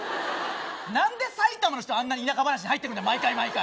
何で埼玉の人あんなに田舎話に入ってくるんだ毎回毎回。